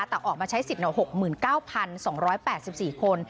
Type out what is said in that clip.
แต่ออกมาใช้สิทธิ์๖๙๒๘๔คน